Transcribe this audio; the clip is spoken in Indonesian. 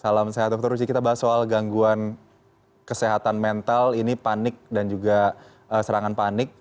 salam sehat dr uci kita bahas soal gangguan kesehatan mental ini panik dan juga serangan panik